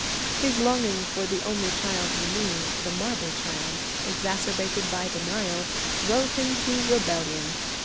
His longing for the only child he knew, the marble child, exacerbated by denial, drove him to rebellion.